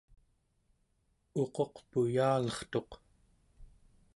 uquq puyalertuq